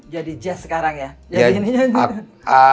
jadi jazz sekarang ya